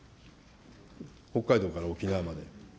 北海道から沖縄まで。